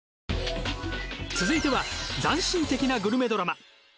続いては斬新的なグルメドラマ。